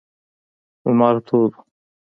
لمر تود و.